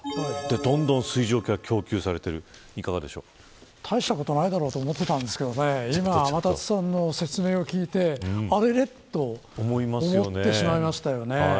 どんどん水蒸気がたいしたことないだろうと思っていたんですけど今、天達さんの説明を聞いてあれっと思ってしまいましたよね。